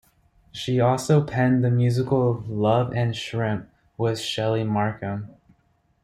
She also penned the musical "Love and Shrimp" with Shelly Markam.